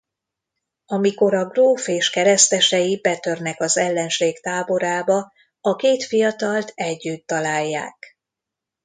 Amikor a gróf és keresztesei betörnek az ellenség táborába a két fiatalt együtt találják.